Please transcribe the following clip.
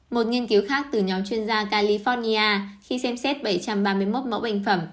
một nghiên cứu khác từ nhóm chuyên gia california khi xem xét bảy trăm ba mươi một mẫu bệnh phẩm